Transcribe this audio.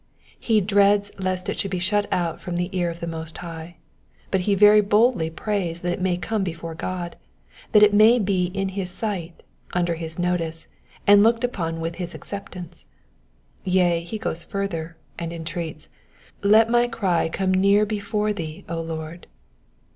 He dreads lest it should be shut out from the ear of the Most High, but he very boldly prays that it may come before God, that it may be in his sight, under his notice, and looked upon with bis acceptance ; yea, he goes further, and entreats, '* Let my cry come near before thee, O Lord.'